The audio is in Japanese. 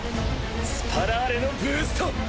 スパラーレのブースト！